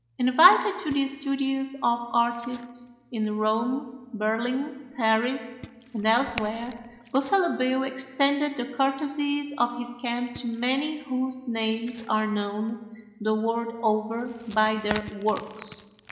Invited to the studios of artists in Rome, Berlin, Paris, and elsewhere, Buffalo Bill extended the courtesies of his camp to many whose names are known the world over by their works.